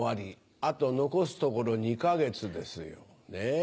あと残すところ２か月ですよねぇ。